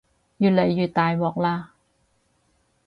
越嚟越大鑊喇